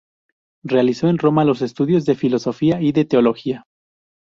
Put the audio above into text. Realizó en Roma los estudios de filosofía y de teología.